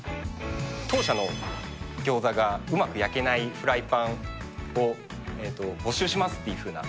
当社のギョーザがうまく焼けないフライパンを募集しますっていうふうな。